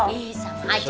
eh sama aja teh